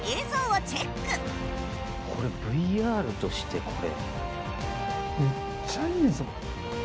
これＶＲとしてこれ。